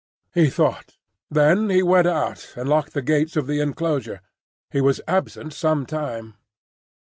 He thought. Then he went out and locked the gates of the enclosure. He was absent some time.